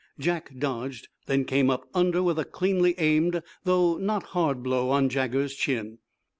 Jack dodged, then came up under with a cleanly aimed though not hard blow on Jaggers's chin.